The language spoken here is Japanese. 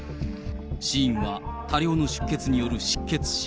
死因は多量の失血による失血死。